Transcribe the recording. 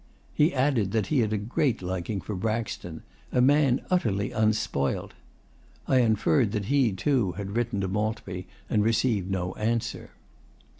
He added that he had a great liking for Braxton 'a man utterly UNSPOILT.' I inferred that he, too, had written to Maltby and received no answer.